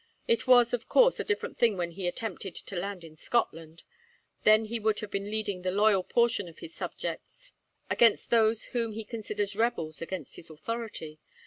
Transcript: It was, of course, a different thing when he attempted to land in Scotland. Then he would have been leading the loyal portion of his subjects, against those whom he considers rebels against his authority.